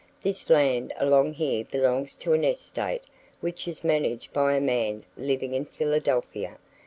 This land along here belongs to an estate which is managed by a man living in Philadelphia.